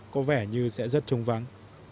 có vẻ như sẽ rất trông vắng